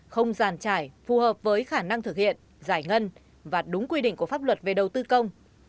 không giàn trải phù hợp với khả năng thực hiện giải ngân và đúng quy định của pháp luật về đầu tư công